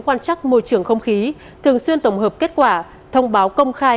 quan chắc môi trường không khí thường xuyên tổng hợp kết quả thông báo công khai